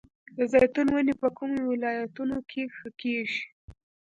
د زیتون ونې په کومو ولایتونو کې ښه کیږي؟